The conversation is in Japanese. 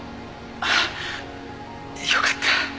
あよかった。